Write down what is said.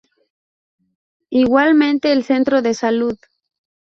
Igualmente el Centro de Salud.